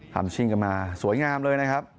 ทำชิ้นกลับมาสวยงามเลยนะครับ